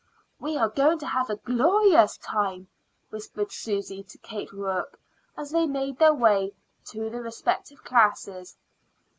"We are going to have a glorious time," whispered Susy to Kate Rourke as they made their way to their respective classes.